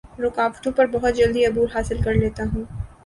رکاوٹوں پر بہت جلدی عبور حاصل کر لیتا ہوں